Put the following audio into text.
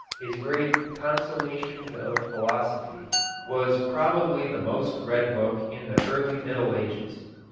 His great "Consolations of Philosophy" was probably the most read book in the early Middle Ages.